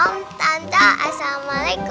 om tante assalamualaikum